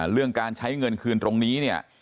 เรื่องการใช้เงินคืนตรงนี้เนี่ย